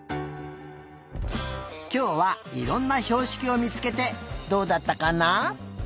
きょうはいろんなひょうしきをみつけてどうだったかな？